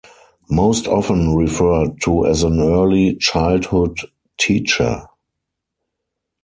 Most often referred to as an early childhood teacher.